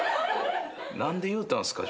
何で言うたんすか？